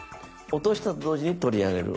落としたと同時に取り上げる。